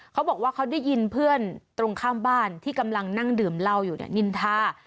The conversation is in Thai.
เขาบอกว่าเขาได้ยินเพื่อนตรงข้ามบ้านที่กำลังนั่งดื่มเหล้าอยู่เนี่ยนินทา